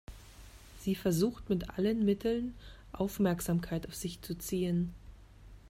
Sie versucht mit allen Mitteln, Aufmerksamkeit auf sich zu ziehen.